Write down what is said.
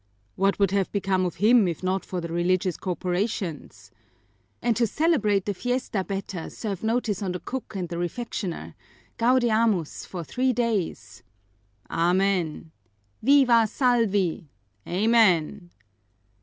"What would have become of him if not for the religious corporations?" "And to celebrate the fiesta better, serve notice on the cook and the refectioner. Gaudeamus for three days!" "Amen!" "Viva Salvi!" "Amen!"